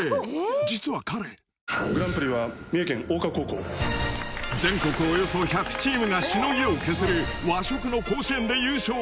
実は彼全国およそ１００チームがしのぎを削る和食の甲子園で優勝！